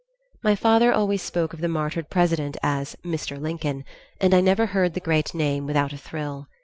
My father always spoke of the martyred President as Mr. Lincoln, and I never heard the great name without a thrill.